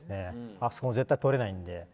あそこは絶対取れないので。